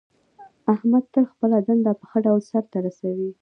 احمد تل خپله دنده په ښه ډول سرته رسوي.